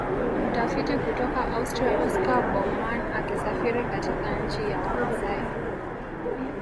Mtafiti kutoka Austria Oscar Baumann akisafiri katika nchi ya Wamasai